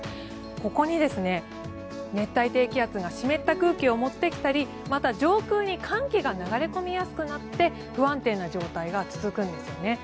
ここに熱帯低気圧が湿った空気を持ってきたりまた、上空に寒気が流れ込みやすくなって不安定な状態が続くんですよね。